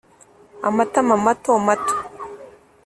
amatama mato mato